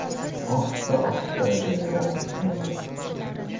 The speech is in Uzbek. Ohista-ohista zinadan endi.